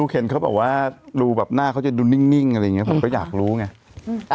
ูเห็นเขารู้แบบหน้าเขาจะดูนิ่งเขาอยากรู้ไง